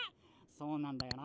そうなんだよな。